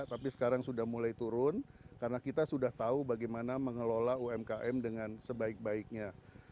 tapi sekarang sudah mulai turun karena kita sudah tahu bagaimana mengelola umkm dengan sebaik baiknya